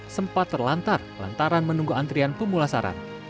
sempat terlantar lantaran menunggu antrian pemulasaran